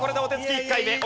１回目。